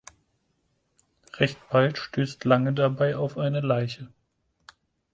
Recht bald stößt Lange dabei auf eine Leiche.